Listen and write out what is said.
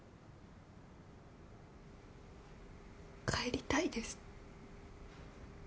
帰りたいです。